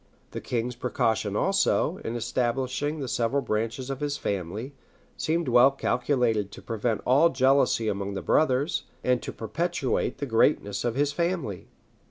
The king's precaution also, in establishing the several branches of his family, seemed well calculated to prevent all jealousy among the brothers, and to perpetuate the greatness of his family.